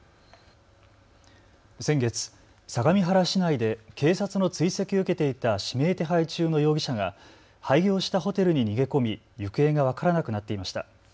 先月、相模原市内で警察の追跡を受けていた指名手配中の容疑者が廃業したホテルに逃げ込み行方が分からなくなっていました。